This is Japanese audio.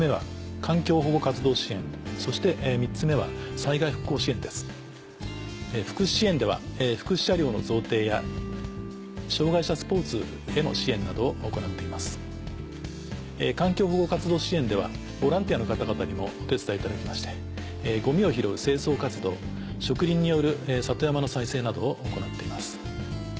環境保護活動支援ではボランティアの方々にもお手伝いいただきましてゴミを拾う清掃活動植林による里山の再生などを行っています。